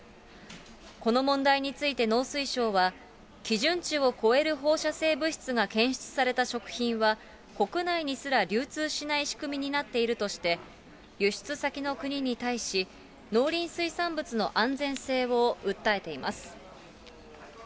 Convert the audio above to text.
この問題について農水省は、基準値を超える放射性物質が検出された食品は、国内にすら流通しない仕組みになっているとして、輸出先の国に対し、農林水産物の安全性を訴えています。